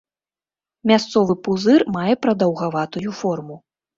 Мясцовы пузыр мае прадаўгаватую форму.